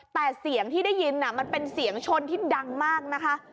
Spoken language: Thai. แต่เสียงที่ได้ยินมันเป็นเสียงชนที่ดังมากนะคะ